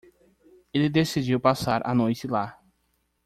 Ele decidiu passar a noite lá.